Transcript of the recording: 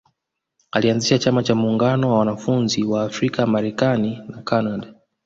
Alianzisha Chama cha muungano wa wanafunzi wa Afrika Marekani na Kanada